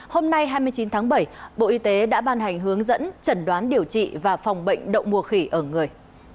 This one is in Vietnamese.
hôm nay hai mươi chín tháng bảy bộ y tế đã ban hành hướng dẫn chẩn đoán điều trị và phòng bệnh đậu mùa khỉ ở người